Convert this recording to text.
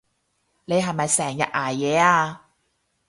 你係咪成日捱夜啊？